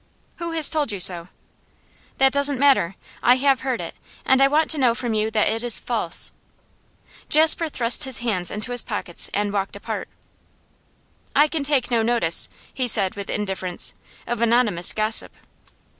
'Who has told you so?' 'That doesn't matter. I have heard it, and I want to know from you that it is false.' Jasper thrust his hands into his pockets and walked apart. 'I can take no notice,' he said with indifference, 'of anonymous gossip.